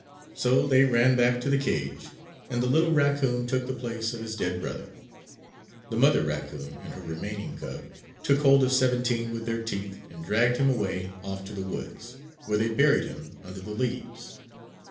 So they ran back to the cage, and the little raccoon took the place of his dead brother. The mother raccoon and her remaining cub took hold of "Seventeen" with their teeth and dragged him away off to the woods, where they buried him under the leaves.